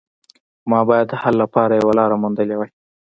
ما باید د حل لپاره یوه لاره موندلې وای